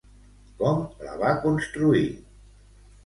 Com la va construir?